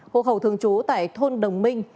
hộ khẩu thường trú tại thôn đồng minh